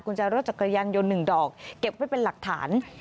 คุณแจรถจักรยานยนต์๑ดอกเก็บไว้เป็นหลักฐาน